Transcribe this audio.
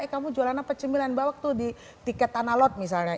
eh kamu jualan apa cemilan bawa tuh di tiket tanah laut misalnya